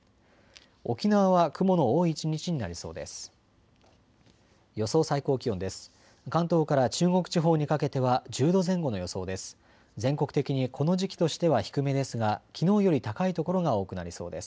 沖縄は雲の多い一日になりそうです。